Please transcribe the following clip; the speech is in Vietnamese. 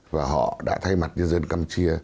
và họ đã thay mặt nhân dân campuchia